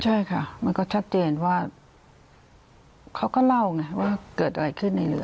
ใช่ค่ะมันก็ชัดเจนว่าเขาก็เล่าไงว่าเกิดอะไรขึ้นในเรือ